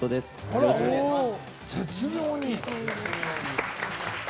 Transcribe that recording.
よろしくお願いします。